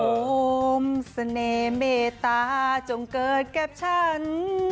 โอ้โหแสนเมตตาจงเกิดแก่บฉัน